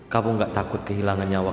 kamu gak takut kehilangan nyawa